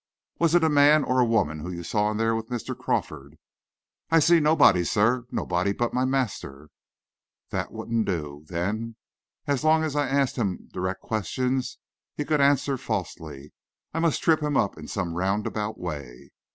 "Was it a man or a woman you saw in there with Mr. Crawford?" "I see nobody, sir, nobody but my master." That wouldn't do, then. As long as I asked him direct questions he could answer falsely. I must trip him up in some roundabout way.